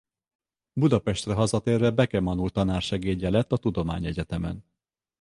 Budapestre hazatérve Beke Manó tanársegédje lett a Tudományegyetemen.